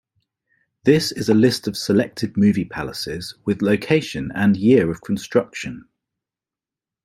This is a list of selected movie palaces, with location and year of construction.